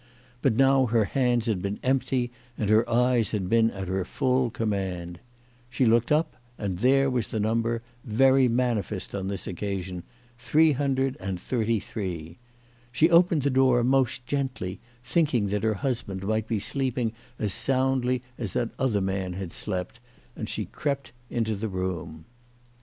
But now her hands had been empty, and her eyes had been at her full com mand. She looked up, and there was the number, very manifest on this occasion, 333. She opened the door most gently, thinking that her husband might be sleeping as soundly as that other man had slept, and she crept into the room.